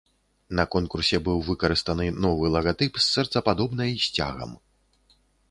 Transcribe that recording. На конкурсе быў выкарыстаны новы лагатып з сэрцападобнай сцягам.